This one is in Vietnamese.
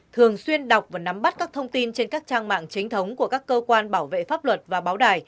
thường xuyên đọc và nắm bắt các thông tin trên các trang mạng chính thống của các cơ quan bảo vệ pháp luật